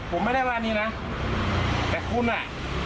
ผมไม่ได้ว่านี้นะแต่คุณอ่ะ